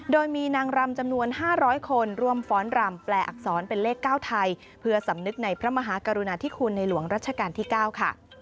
โดยมีนางรำจำนวน๕๐๐คนร่วมฟ้อนรำแปลอักษรเป็นเลข๙ไทยเพื่อสำนึกในพระมหากรุณาธิคุณในหลวงรัชกาลที่๙ค่ะ